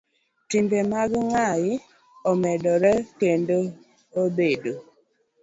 Timbe mag ng'ai omedore kendo obedo